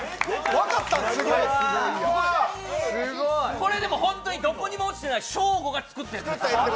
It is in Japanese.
これでもホントにどこにも落ちてない、ショーゴが作ったやつです。